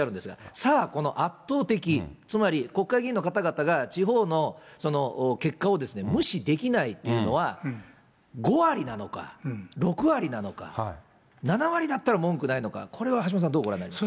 さあ、この圧倒的、つまり国会議員の方々が、地方のその結果を無視できないっていうのは、５割なのか、６割なのか、７割だったら文句ないのか、これは橋本さん、どうご覧になりますか？